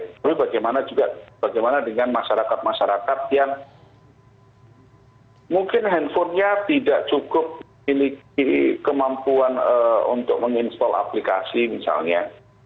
tapi bagaimana juga bagaimana dengan masyarakat masyarakat yang mungkin handphonenya tidak cukup memiliki kemampuan untuk menginstall aplikasi misalnya